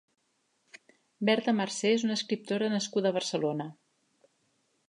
Berta Marsé és una escriptora nascuda a Barcelona.